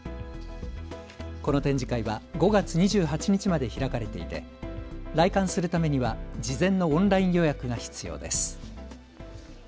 この展示会は５月２８日まで開かれていて来館するためには事前のオンライン予約が必要です。